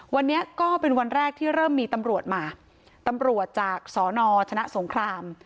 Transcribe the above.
วันนี้ก็เป็นวันแรกที่เริ่มมีตำรวจมาตำรวจจากสนชนะสงคราม